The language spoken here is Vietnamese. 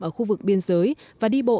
ở khu vực biên giới và đi bộ